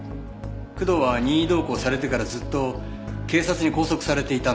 工藤は任意同行されてからずっと警察に拘束されていたんですから。